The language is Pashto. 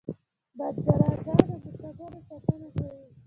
بدرګه د مسافرو ساتنه کوي.